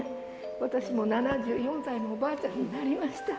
私も７４歳のおばあちゃんになりました。